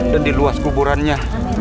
dan diluas kuburannya